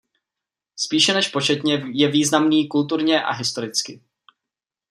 Spíše než početně je významný kulturně a historicky.